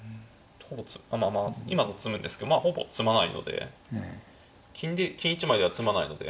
まあまあ今の詰むんですけどまあほぼ詰まないので金１枚では詰まないので。